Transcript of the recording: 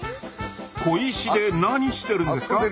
小石で何してるんですか？